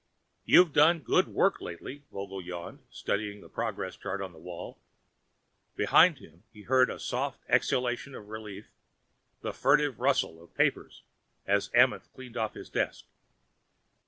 "You've done good work lately." Vogel yawned, studying the progress chart on the wall. Behind him he heard a soft exhalation of relief, the furtive rustle of papers as Amenth cleaned off his desk.